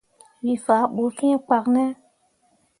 We faa bu fĩĩ kpak ne?